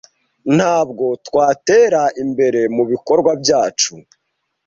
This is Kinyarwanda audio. Ntabwo twatera imbere mubikorwa byacu.